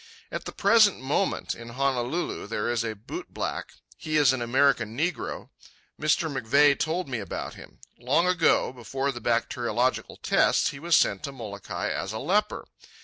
At the present moment, in Honolulu, there is a bootblack. He is an American negro. Mr. McVeigh told me about him. Long ago, before the bacteriological tests, he was sent to Molokai as a leper.